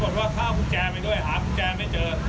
ว่าข้าวกุญแจไปด้วยหากุญแจไม่เจอ